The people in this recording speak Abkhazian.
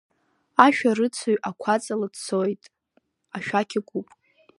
Ашәарыцаҩ ақәаҵала дцоит, ашәақь икуп.